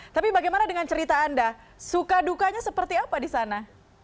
tapi bagaimana dengan cerita anda suka dukanya seperti apa di sana